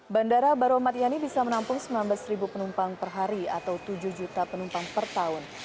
bandara baru matiani bisa menampung sembilan belas penumpang per hari atau tujuh juta penumpang per tahun